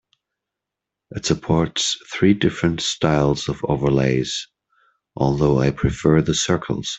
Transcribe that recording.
It supports three different styles of overlays, although I prefer the circles.